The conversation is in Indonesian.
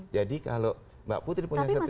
jadi kalau mbak putri punya seperti itu